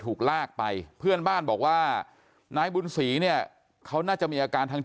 ถูกลากไปเพื่อนบ้านบอกว่านายบุญศรีเนี่ยเขาน่าจะมีอาการทาง